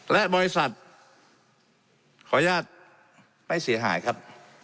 และบริษัทขออนุญาตไม่เสียหายครับ